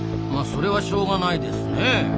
まそれはしょうがないですね。